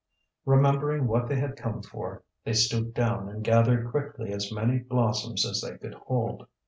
Remembering what they had come for, they stooped down and gathered quickly as many blossoms as they could hold.